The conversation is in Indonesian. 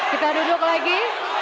kita duduk lagi